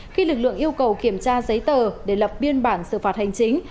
khi lực lượng yêu cầu kiểm tra giấy tờ để lập biên bản xử phạt hành chính